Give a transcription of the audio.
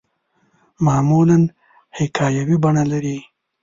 معمولاً حکایوي بڼه لري.